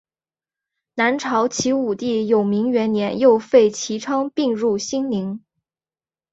南朝齐武帝永明元年又废齐昌并入兴宁。